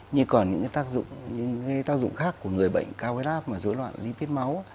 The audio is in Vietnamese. như còn những cái tác dụng khác của người bệnh cao huyết áp mà dối loạn lipid máu